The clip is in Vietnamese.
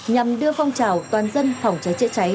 nhằm đưa phong trào toàn dân phòng cháy chữa cháy